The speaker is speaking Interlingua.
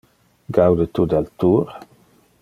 Gaude tu del tour?